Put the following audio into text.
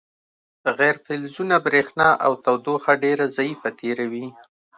غیر فلزونه برېښنا او تودوخه ډیره ضعیفه تیروي.